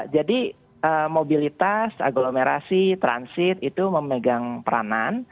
jadi mobilitas agglomerasi transit itu memegang peranan